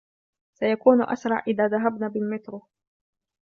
سيكون اسرع اذا ذهبنا بالمترو.